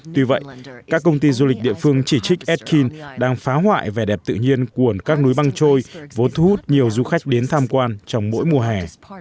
tuy vậy các công ty du lịch địa phương chỉ trích ethan đang phá hoại vẻ đẹp tự nhiên của các núi băng trôi vốn thu hút nhiều du khách đến tham quan trong mỗi mùa hè